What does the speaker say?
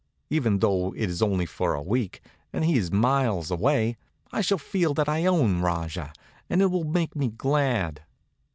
Even though it is only for a week, and he is miles away, I shall feel that I own Rajah, and it will make me glad."